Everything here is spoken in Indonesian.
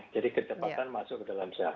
jadi ketepatan masuk ke dalam sel